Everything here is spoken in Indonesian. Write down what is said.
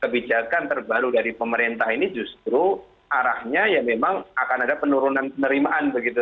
kebijakan terbaru dari pemerintah ini justru arahnya ya memang akan ada penurunan penerimaan begitu